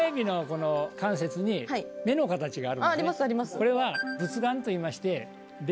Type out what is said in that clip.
これは「仏眼」といいまして。